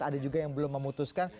ada juga yang belum memutuskan